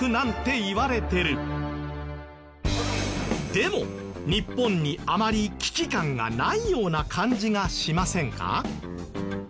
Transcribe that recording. でも日本にあまり危機感がないような感じがしませんか？